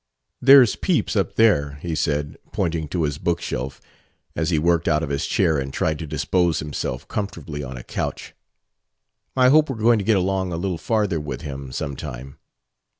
"There's Pepys up there," he said, pointing to his bookshelf, as he worked out of his chair and tried to dispose himself comfortably on a couch. "I hope we're going to get along a little farther with him, some time."